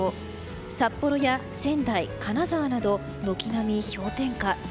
札幌や仙台、金沢など軒並み氷点下。